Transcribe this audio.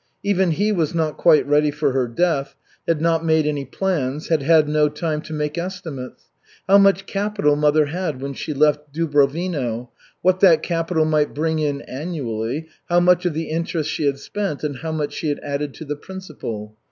Even he was not quite ready for her death, had not made any plans, had had no time to make estimates how much capital mother had when she left Dubrovino, what that capital might bring in annually, how much of the interest she had spent, and how much she had added to the principal.